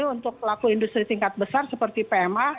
untuk pelaku industri tingkat besar seperti pma